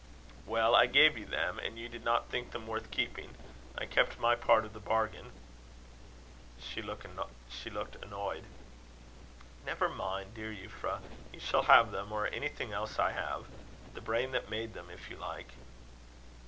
"Well, I gave you them, and you did not think them worth keeping. I kept my part of the bargain." She looked annoyed. "Never mind, dear Euphra; you shall have them, or anything else I have; the brain that made them, if you like."